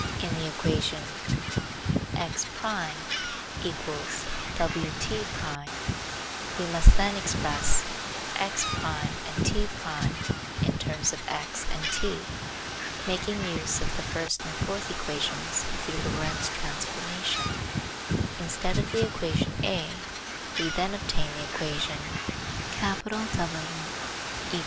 In the equation x1 = wt1 B) we must then express x1and t1 in terms of x and t, making use of the first and fourth equations of the Lorentz transformation. Instead of the equation (A) we then obtain the equation eq.